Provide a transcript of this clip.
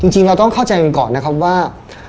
จริงเราต้องเข้าใจกันก่อนนะครับว่า